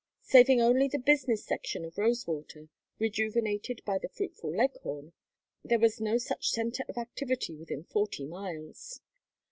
Saving only the business section of Rosewater, rejuvenated by the fruitful Leghorn, there was no such centre of activity within forty miles.